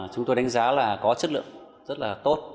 chúng tôi đánh giá là có chất lượng rất là tốt